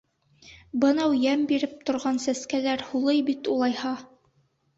Бынау йәм биреп торған сәскәләр һулый бит улайһа...